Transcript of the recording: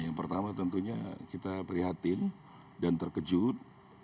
yang pertama tentunya kita prihatin dan terkejut